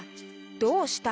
「どうした」？